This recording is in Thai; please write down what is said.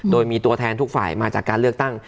โดยมีตัวแทนทุกฝ่ายมาจากการเลือกตั้ง